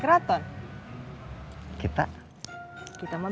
gak usah banyak ngomong